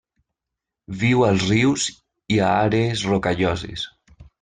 Viu als rius i a àrees rocalloses.